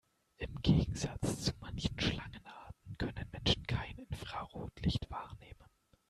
Im Gegensatz zu manchen Schlangenarten können Menschen kein Infrarotlicht wahrnehmen.